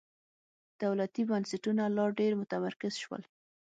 دولتي بنسټونه لا ډېر متمرکز شول.